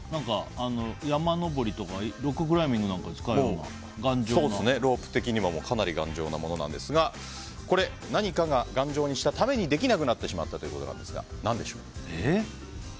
山登りとかロッククライミングなんかにロープ的にもかなり頑丈なものなんですが何かが頑丈にしたためにできなくなってしまったということですが何でしょうか？